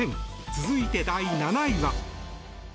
続いて、第７位は。